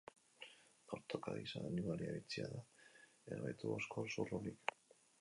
Dortoka gisa animalia bitxia da, ez baitu oskol zurrunik.